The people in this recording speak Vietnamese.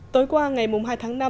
tối qua ngày hai tháng năm